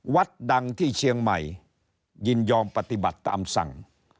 วัดดังที่เชียงใหม่ยินยอมปฏิบัติตามสั่ง